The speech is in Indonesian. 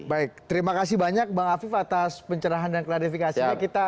baik terima kasih banyak bang afif atas pencerahan dan klarifikasinya